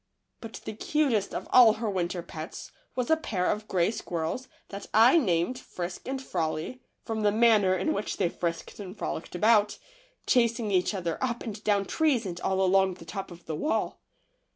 But the cutest of all her winter pets was a pair of gray squirrels that I named Frisk and 6 THE LITTLE FORESTERS. Frolic, from the manner in which they frisked and frolicked about, chasing each other up and down trees and along the top of the wall.